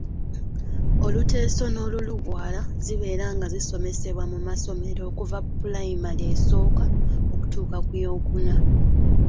Oluteeso n’Olulugwara, zibeera nga zisomesebwa mu masomero okuva pulayimale esooka okutuuka ku yookuna.